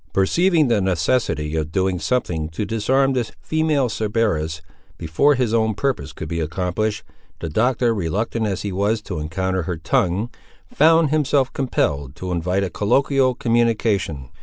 Perceiving the necessity of doing something to disarm this female Cerberus, before his own purpose could be accomplished, the Doctor, reluctant as he was to encounter her tongue, found himself compelled to invite a colloquial communication.